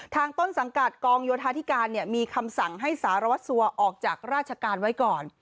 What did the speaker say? ต้นสังกัดกองโยธาธิการมีคำสั่งให้สารวัตรสัวออกจากราชการไว้ก่อน